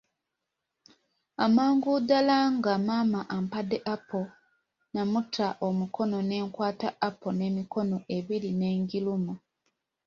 Amangu ddala nga maama ampadde apo, namuta omukono ne nkwata apo n'emikono ebiri ne ngiruma.